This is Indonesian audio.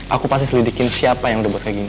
aku pasti selidikin siapa yang udah buat kayak gini